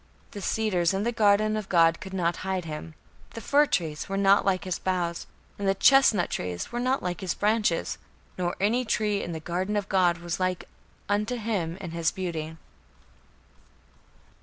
The cedars in the garden of God could not hide him: the fir trees were not like his boughs, and the chestnut trees were not like his branches; nor any tree in the garden of God was like unto him in his beauty."